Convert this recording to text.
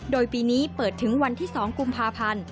โดยปีนี้เปิดถึงวันที่๒กุมภาพันธ์